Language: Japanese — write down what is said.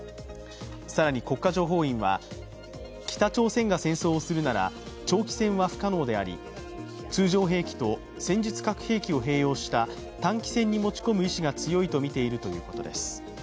更に、国家情報院は、北朝鮮が戦争をするなら長期戦は不可能であり、通常兵器と戦術核兵器を併用した短期戦に持ち込む意思が強いとみているということです。